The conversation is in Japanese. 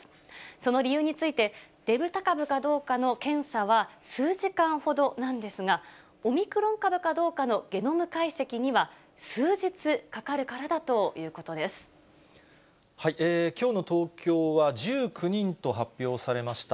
その理由について、デルタ株かどうかの検査は数時間ほどなんですが、オミクロン株かどうかのゲノム解析には、数日かかるからだというきょうの東京は１９人と発表されました。